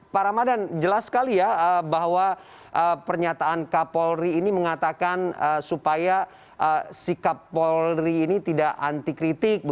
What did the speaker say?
pak ramadhan jelas sekali ya bahwa pernyataan kapolri ini mengatakan supaya sikap polri ini tidak anti kritik